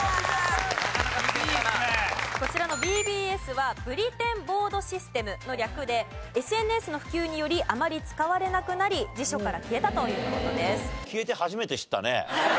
こちらの「ＢＢＳ」は「ＢｕｌｌｅｔｉｎＢｏａｒｄＳｙｓｔｅｍ」の略でＳＮＳの普及によりあまり使われなくなり辞書から消えたという事です。